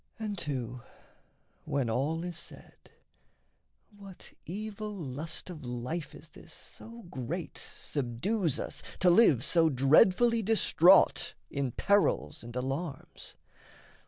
And too, when all is said, What evil lust of life is this so great Subdues us to live, so dreadfully distraught In perils and alarms?